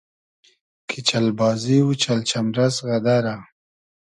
کی چئل بازی و چئل چئمرئس غئدئرۂ